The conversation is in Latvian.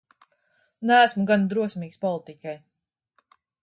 Neesmu gana drosmīgs politikai.